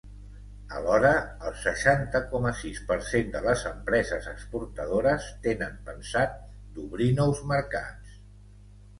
Alhora, el seixanta coma sis per cent de les empreses exportadores tenen pensat d’obrir nous mercats.